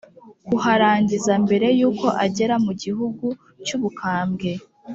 kuharangiza mbere y'uko agera mu gihe cy'ubukambwe.